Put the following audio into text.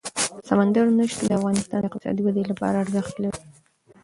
سمندر نه شتون د افغانستان د اقتصادي ودې لپاره ارزښت لري.